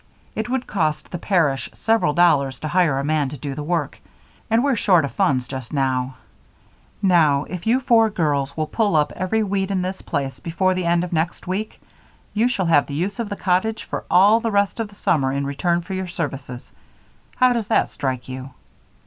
It would cost the parish several dollars to hire a man to do the work, and we're short of funds just now. Now, if you four girls will pull up every weed in this place before the end of next week you shall have the use of the cottage for all the rest of the summer in return for your services. How does that strike you?"